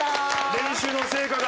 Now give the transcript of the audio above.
練習の成果が。